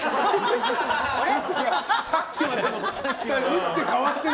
打って変わってね。